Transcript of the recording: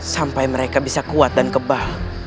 sampai mereka bisa kuat dan kebal